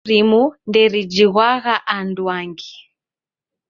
Nyamandu rimu nderijighwagha anduangi.